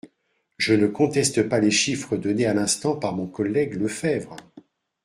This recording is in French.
Je ne conteste pas les chiffres donnés à l’instant par mon collègue Lefebvre.